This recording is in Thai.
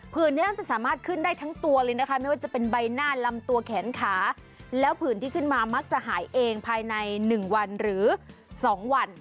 ผื่นนี้จะสามารถขึ้นได้ทั้งตัวเลยนะคะไม่ว่าจะเป็นใบหน้าลำตัวแขนขาแล้วผื่นที่ขึ้นมามักจะหายเองภายใน๑วันหรือ๒วัน